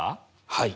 はい。